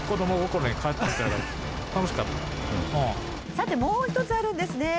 さてもう一つあるんですね